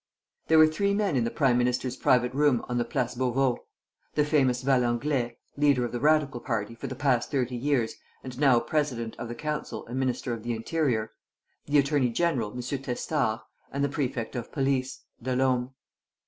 There were three men in the prime minister's private room on the Place Beauvau: the famous Valenglay, leader of the radical party for the past thirty years and now president of the council and minister of the interior; the attorney general, M. Testard; and the prefect of police, Delaume.